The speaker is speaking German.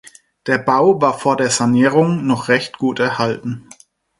Der Bau war vor der Sanierung noch recht gut erhalten.